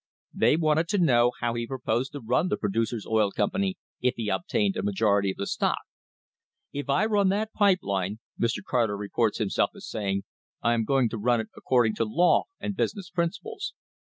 They wanted to know how he proposed to run the Producers' Oil Company if he obtained a majority of the stock. "If I run that pipe line," Mr. Car ter reports himself as saying, "I am going to run it accord ing to law and business principles.